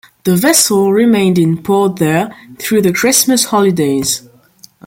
The vessel remained in port there through the Christmas holidays.